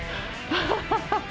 ハハハハ！